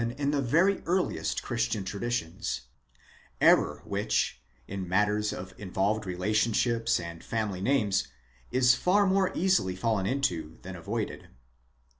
in the very earliest Christian traditions ; error which, in matters of involved. relationships and family names, is far more easily fallen into than avoided.